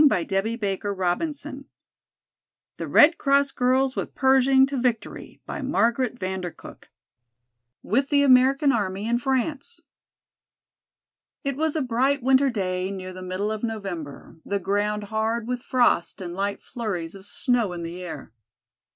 The Rainbow Bridge 256 THE RED CROSS GIRLS WITH PERSHING TO VICTORY CHAPTER I With The American Army in France IT was a bright winter day near the middle of November, the ground hard with frost and light flurries of snow in the air.